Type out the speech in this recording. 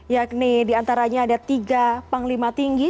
yakni diantaranya ada tiga panglima tinggi